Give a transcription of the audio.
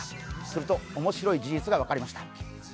すると、面白い事実が分かりました